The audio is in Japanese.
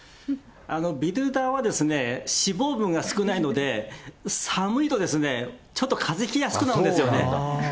ビルダーは、脂肪分が少ないので、寒いとですね、ちょっとかぜひきやすくなるんですね。